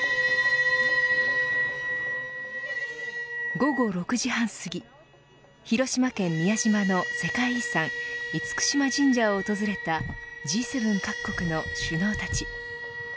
午後６時半過ぎ広島県宮島の世界遺産厳島神社を訪れたＧ７各国の首脳たち。